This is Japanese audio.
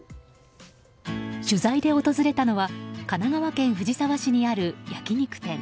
取材で訪れたのは神奈川県藤沢市にある焼き肉店。